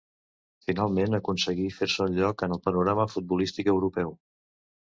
Finalment aconseguí fer-se un lloc en el panorama futbolístic europeu.